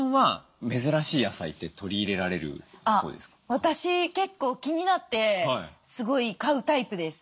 私結構気になってすごい買うタイプです。